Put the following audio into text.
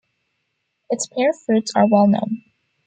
Its pear fruits are well known.